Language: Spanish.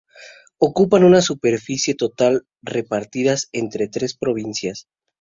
Ocupan una superficie total de repartidas entre las tres provincias.